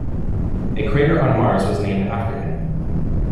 A crater on Mars was named after him.